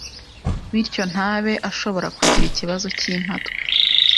bityo ntabe ashobora kugira ikibazo cy’impatwe